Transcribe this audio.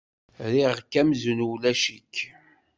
Rriɣ-k amzun ulac-ik.